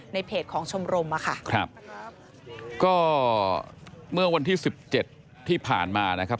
เพจของชมรมอะค่ะครับก็เมื่อวันที่สิบเจ็ดที่ผ่านมานะครับ